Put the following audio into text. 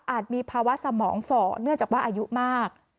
มีภาวะสมองฝ่อเนื่องจากว่าอายุมาก